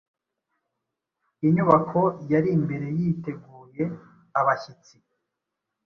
Inyubako yari imbere yiteguye abashyitsi